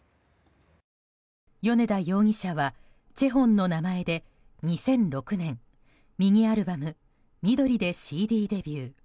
米田容疑者はＣＨＥＨＯＮの名前で２００６年、ミニアルバム「みどり」でＣＤデビュー。